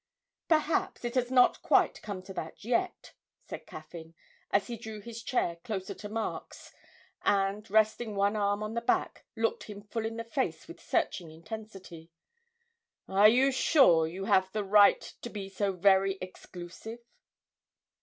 'Perhaps, it has not quite come to that yet,' said Caffyn, as he drew his chair closer to Mark's, and, resting one arm on the back, looked him full in the face with searching intensity. 'Are you sure you have the right to be so very exclusive?'